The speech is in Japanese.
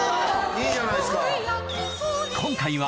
いいじゃないですか。